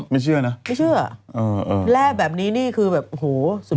ไม่เชื่อนะไม่เชื่อแร่แบบนี้นี่คือแบบโห